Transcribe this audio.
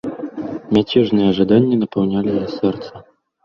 Мяцежныя жаданні напаўнялі яе сэрца.